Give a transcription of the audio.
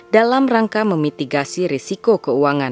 dalam rangka memitigasi risiko keuangan